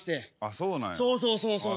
そうそうそうそうそう。